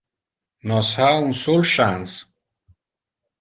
Nos ha un sol chance.